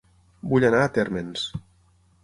Vull anar a Térmens